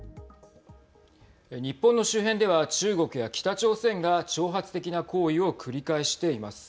日本の周辺では中国や北朝鮮が挑発的な行為を繰り返しています。